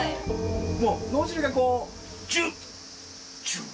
もう脳汁がこうジュンジュワ！